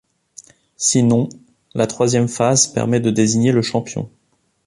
Si non, la troisième phase permet de désigner le champion.